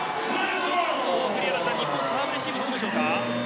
栗山さん日本サーブレシーブどうでしょうか。